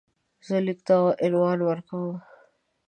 زه لیک ته عنوان ورکوم.